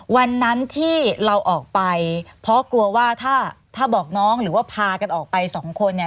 วันนั้นที่เราออกไปเพราะกลัวว่าถ้าถ้าบอกน้องหรือว่าพากันออกไปสองคนเนี่ย